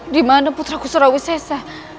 di mana putraku sarawet sesek